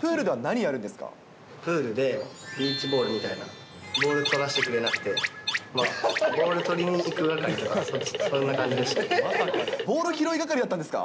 プールで、ビーチボールみたいな、ボールを捕らせてくれなくて、ボールを取りに行く係とか、ボール拾い係だったんですか？